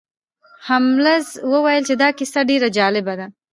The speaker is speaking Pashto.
هولمز وویل چې دا کیسه ډیره عجیبه ده.